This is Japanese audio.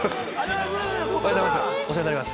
おはようございます。